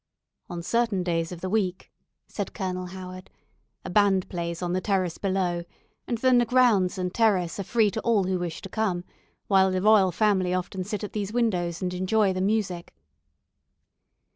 "On certain days of the week," said Colonel Howard, "a band plays on the terrace below, and then the grounds and terrace are free to all who wish to come, while the Royal Family often sit at these windows and enjoy the music."